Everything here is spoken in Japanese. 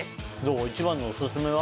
一番のおすすめは？